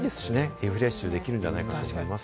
リフレッシュできるんじゃないかなと思います。